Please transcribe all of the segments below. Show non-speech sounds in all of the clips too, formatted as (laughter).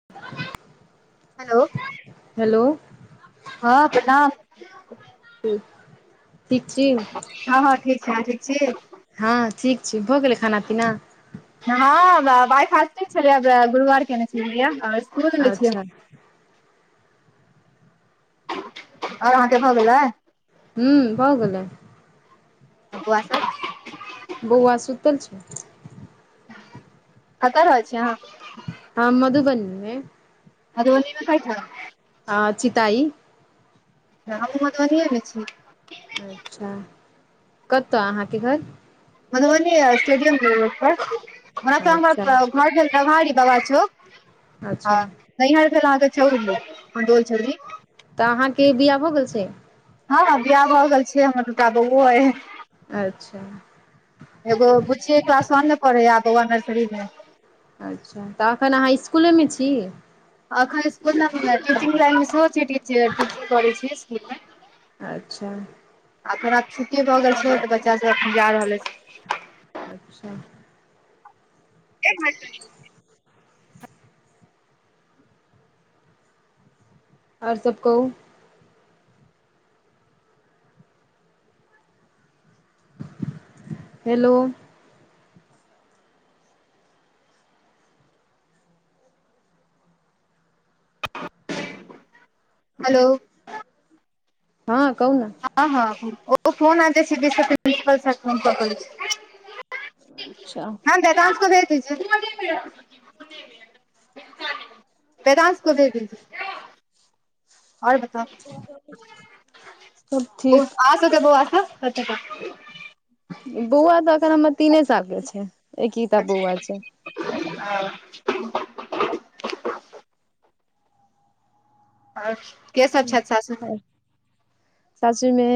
(unintelligible) hello hello हँ प्रणाम (unintelligible) ठीक छी हँ हँ ठीक छै आहाँ ठीक छी हँ ठीक छी भऽ गेलै खाना पीना हँ बाइ फासटिंग छलै बे जे गुरुवार केने छलिये यऽ स्कूल छिये अच्छा हम आओर अहाँके भऽ गेलै हु भ गेलैय बोओ सभ बौआ सुतल छै कतअ रहै छी आहाँ हम मधुबनी मधुबनी मे केय ठाम हँ चिताइ हँ हमहु मधुबनिए मे छी अच्छा कतअ अहाँके घर मधुबनी स्टेडियम गेल पर ओना तऽ हमर अच्छा घर भेल डबहाड़ी दबाई चैक अच्छा नैहर गेलहूँ हन तऽ छौहे गै छौरी तऽ अहाँके बिआह हो गेल से हँ बियाह भऽ गेल छै हमरा दुटा बौओ अय अच्छा एगो बुच्चीे क्लास वन ने पढ़ैये आ बौआ नर्सरी मे अच्छा तऽ एखन अहाँ स्कुलेमे छी एखन स्कूल मे टीचिंग लाईन मे सेहो छियै स्कूल मे अच्छा आ थोड़ा आब छुट्टी भऽ गेल छै तऽ बच्चा सब अखन जा रहल अछि अच्छा एक मास आओर सब कहू हेलो हेलो हँ कहु नऽ हँ हँ ओ फोन आबि जाय छै प्रंसिपल सर फोन सँ कहै छथिन अच्छा हँ देवांश को भेज दिजिये देवांश को दे दीजिये आओर बताउ सब ठीक आहाँ सभके बौआ सभ बौआ तऽ एखन हमर तीने साल के छै एकही टा बौआ छै ओ आओर के सभ छथि सासुरमे छै सासुरमे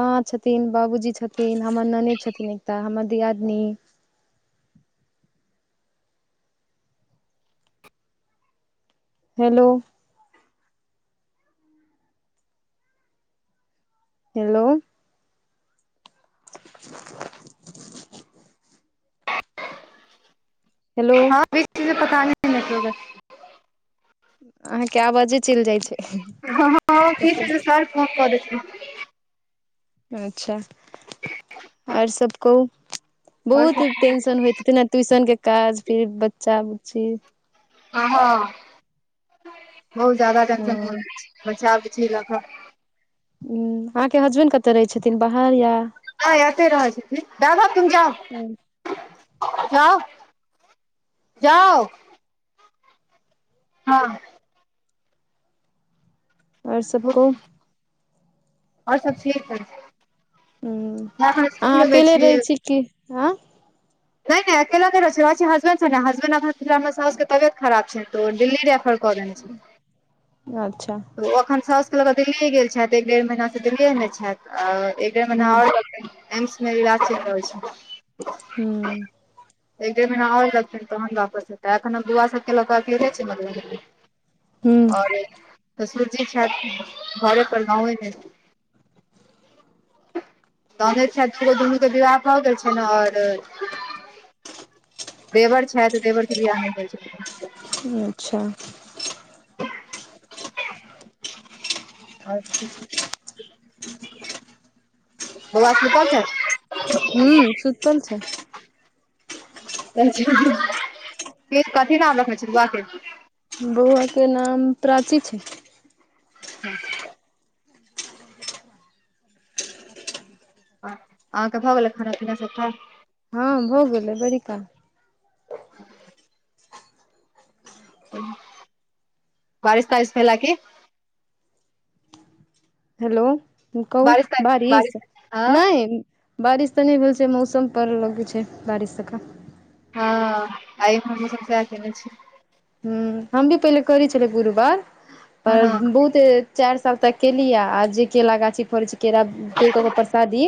माँ छथिन बाबूजी छथिन हमर ननैद छथिन एकटा हमर दियादनी हेलो हेलो (inaudible) (inaudible) हेलो हँ बीच बीज मे पताहे नहि चलै अहाँ कए आबाजे चलि जाइ छै कतहु के कऽ देतै अच्छा आओर सब कहू और बहुत सब टेंशन होयत हेतैक नै ट्यूशन के काज फिर बच्चा बुच्ची हँ बहुत ज्यादा टेंशन हँ भऽ जिय छै बच्चा बुच्ची लऽ कऽ हँ अहाँके हसबैंड कतऽ रहै छथिन बाहर या नहि एत्ते रहै छथिन दादा तुम जाओ जाओ हँ आओर सब कोइ आओर सब ठीक हइ हूँ करै बेर सुनि अहाँ लेने अकेले छियै रहै कि ऐं नहि नहि अकेला नहि रहै छियै हसबैंड ने हसबैंड अखैन फिर हमर साउस के तबियत खराब छै तऽ दिल्ली रेफर कऽ देने छै अच्छा तऽ ओ आखन साउसकेँ लऽ कऽ दिल्लिए गेल छथि एक डेढ़ महिनासँ दिल्लिए मे छथि आ एक डेढ़ महिना हूँ आओर लगतै एम्स मे इलाज चलि रहल छै हूँ (inaudible) एक डेढ़ महीना आओर लगतैन तहन वापस हेतै एखन हम बौआ सभके लऽ कऽ अकेले छियै मधुबनी मे हूँ तऽ सुरजी छथि घरे पर गाँव मे तनै छ दुनू के विवाह भऽ गेल छ ने आओर देवर छथि तऽ देवरके बिआह नहि कर छथि अच्छा अच्छा बौआ सब हू सुतल छै अच्छा कथी नाम रखने छै बआ के बौआ के नाम प्राची छै (inaudible) अहाँके भऽ गेलै खाना पीना सब खा हँ भो गलै बड़िका बारिश तारिस भेला की हेलो कहु बारिश तारिश बारिश हँ नहि बारिश तऽ नहि भेल छै मौसम पर लगैत छै बारिश जेका हँ आइ हमसब सएह केयने छी ह हम भी पहिले करै छलै गुरुवार हँ पर हँ बहुत चारि साल तक केली आ आ जे केेला गाछी फड़ै छै केरा तोड़ कऽ ओ परसादी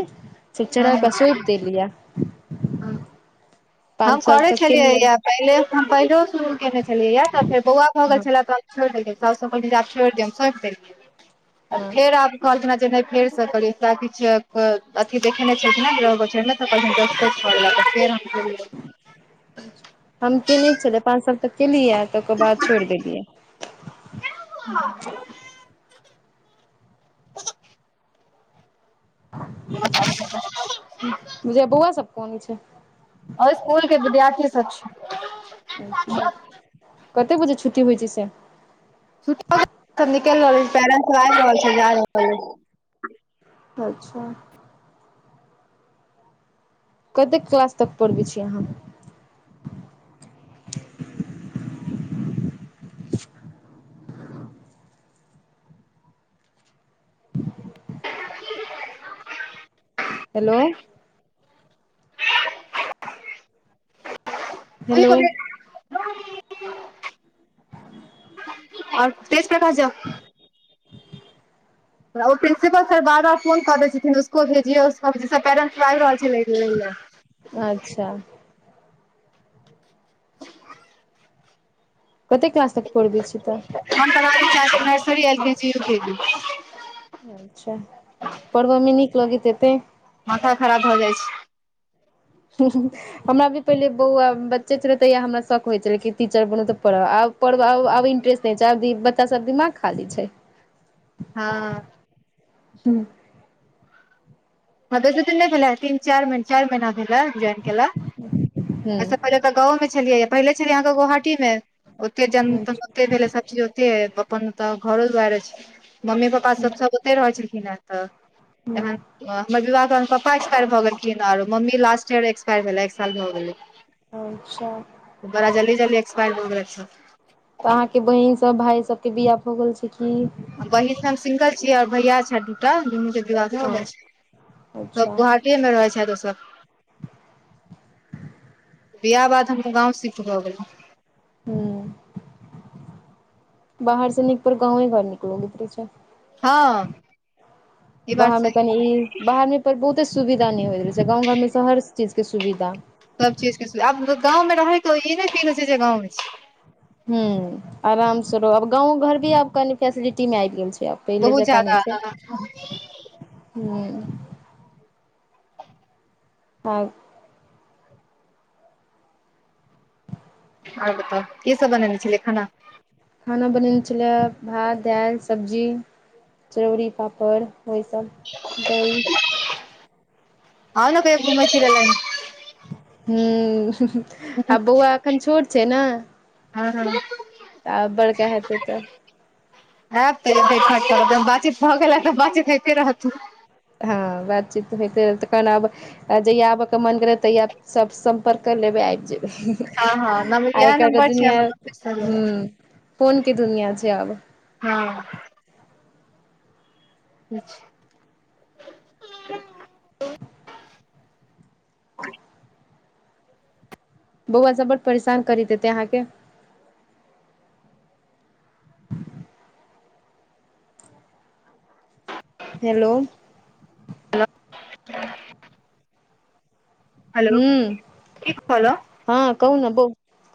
खिचड़ा हँ कऽ सौंप देलियिया हँ हम पाँच साल करै तक केलियै छलियैए पहिले हम पहिले शुरू कयने छलियैए तऽ फेर बौआ भऽ गेल हँ छलै तऽ छोड़ि देलियै सभसँ पहिल जे आब छोड़ि देब हम सौपि देलियै तऽ हँ फेर आब कहलखना जे नहि फेरसँ कहलरा किछु अथी देखेने छै ग (unintelligible) हम केने छलै पाँच सौ तक केलियै तऽ ओकर बाद छोड़ देलियै (unintelligible) (unintelligible) बुझे बौआ सब कोनी छै आओर स्कूल के विद्यार्थी सब छै अच्छा कते बजे छुट्टी होइ छै से छ निकलि रहल छै पैरें सब आ रहल छै जा रहल अच्छा कतेक क्लास तक पढ़बै छी अहाँ हेलो (inaudible) हेलो (inaudible) आओर तेज प्रथा सब ओ प्रिंसिपल सर बार बार फोन कऽ दै छथिन उसको भेजियौ पेरेन्ट्स आबि रहल छलै अच्छा कतेक क्लास तक पढ़बै छी तऽ हम पर नर्सरी एलकेजी युकेजी अच्छा पढ़ब मे नीक लगैत हेतै माथा खराब भ जाइ छै हमरा भी पहिले बहुआ बच्चे छलै तहिया हमरा शौक होइ छलै कि टीचर बनू तऽ पढ़ऽ आब पढ़ आब इंटरस्ट नहि छै अ बच्चा सब दिमाग खाली छै हाँ हूँ ह जते दिन नहि भेल तीन चार महीना चार महीना भेल जॉइन केला हूँ अइसे पहिले गाँव मे छलियै पहिले छलियै अहाँके गोवाटी मे ओते जन अच्छा ओे भेले सबचीज ओते ह अपन तऽ घरो दुआरे छै मम्मी पप्पा पा हूँ सब सब ओते रहै छलखिन हे तऽ तहन हमर विवाह कालमे पप्पा एक्सपायर भऽ गेलखिन आओर मम्मी लास्ट ईयर एक्सपायर भेलै एक साल भऽ गेलै अच्छा बरा जल्दी जल्दी एक्सपायर भऽ गेलैथ सब तऽ अहाँके बहिन सब भाय सबके बियाह भऽ गेल छै की वहिन हम सिंगल छीयै आओर भैया छैथ दूटा दुनू के विवाह भऽ हँ गेल अच्छा छै मे रहै छैथ ओ सब बियाह बाद हम गाँव शिफ्ट भऽ गेलहुँ ह्म बाहर सँ निक पर गाँवे घर निक लगैत रहै छै हँ ई बात बाहरमे सही कनी ई बाहर पर बहुते सुविधा नै होइत रहै छै गाँव घर मे सब हर चीज के सुविधा सभ चीजके सुविधा आब गाँवमे रहै तऽ ई नहि फील होइ छै जे गाँवमे छी ह्म आराम से रह आब गाँव घर भी आब कनि फैसिलिटी मे आबि गेल छै आब पहिले बहुत जकाँ नहि ज्यादा छै हूँ आब आओर बताउ की सब बनेने छेलियै खाना खाना बनेने छेलियै भात दाल सब्जी चरौरी पापड़ ओहि सब दहि आउ ने कहियो घुमैय फीरैले एनी ह्म आ बौआ एखन छोट छै ने हाँ तऽ आब बड़का हेतै तऽ आब तऽ बातचीत भऽ गेल तऽ बातचीत होइते रहत हाँ बातचीत तऽ होइते रहल तऽ तखन आब आ जहिया आबऽ के मन भेलै तहिया सब सम्पर्क कर लेबै आबि जेबै हँ हँ नम आइ इएह काल्हि के नम्बर छै दुनियाँ हमर ह्म फोन के दुनियाँ छै आब हाँ अच्छा बौआ सब बड़ परेशान करैत हेतै अहाँके ह (inaudible) हेलो हेलो हूम् की कहलौं हाँ कहु ना बौ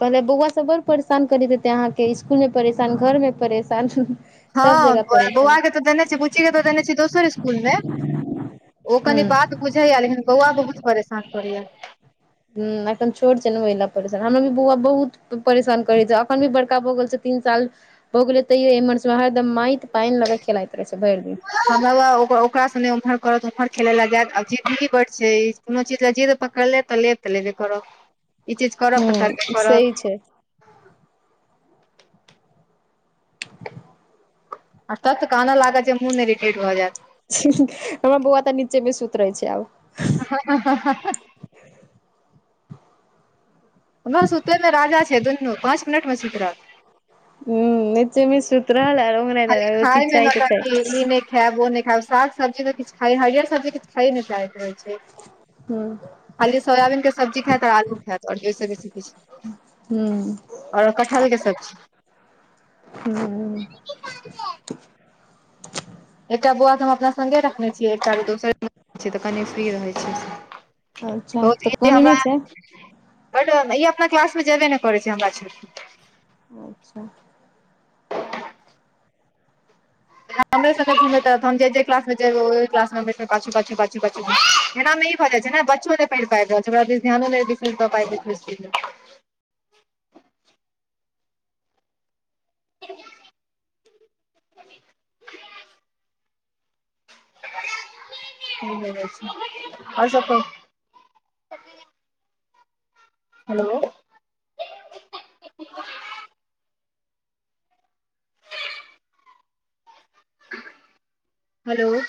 कहलियै बौआ सब बड़ परेशान करैत हेतै अहाँके स्कुल मे परेशान घर मे परेशान सब हाँ जगह बौआ परेशान के तऽ देने छियै बुच्ची के तऽ देने छियै दोसर स्कुल मे ओ कनि हूँ बात बुझैये लेकिन बौआ बहुत परेशान करैये ह्म अखन छोट छै ने ओहिला परेशान हमरा भी बौआ बहुत परेशान करै छै अखन भी बड़का भऽ गेल छै तीन साल हो गेलै तैयो एमहर हरदम माटि पानि लऽ के खेलाइत रहै छै भरि दिन हमरा ओकरा ओकरा सने उम्हर करत उम्हर खेलै ले जायत आ जिद्दी बड्ड छै कोनो चीज ले जिद्द पकड़ि लेत तऽ लेब तऽ लेबे करत ई चीज करब तऽ करबे हूं सही करत छै आ तत्त कानऽ लागत जे मोन इरिटेट भऽ जायत हमर बौआ तऽ नीचेमे सुति रहै छै आब हँ हँ हँ हमर सुतै मे राजा छै दुनू पाँच मिनट मे सुति रहत ह्म नीचो मे सुति रहल आरो खालि खायमे नौटंकी इनै खायब ओ नहि खायब साग सब्जी तऽ किछु खा हरियर सब्जी किछु खाइए नहि चाहैत रहइ छै हूँ खाली सोयाबीनके सब्जी खायत आओर आलू खायत आओर ओहिसँ बेसी किछु हूं आओर कटहल के सब्जी हू हू एकटा बौआ के हम अपना संगे रखने छियै एकटा के दोसर छै तऽ कनि फ्री रहै छै अच्छा बहुत तऽ इ कनी हमरा नहि छै बड़ इ अपना क्लास मे जेबे नहि करै छै हमरा छोइरक अच्छा (unintelligible) एना मे ई भऽ जाइ छै ने बच्चो नहि पढ़ि पाबि रहल छै ओकरा दिस ध्यानो नहि पाब छै और सब कहु हेलो हलो